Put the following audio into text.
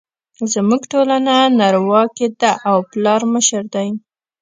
زموږ ټولنه نرواکې ده او پلار مشر دی